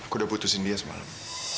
aku udah putusin dia semalam